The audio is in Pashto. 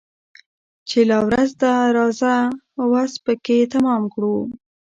چي لا ورځ ده راځه وس پكښي تمام كړو